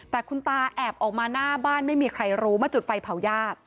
แต่คุณตาแอบออกมาหน้าบ้านไม่มีใครรู้มาจุดไฟเผายาก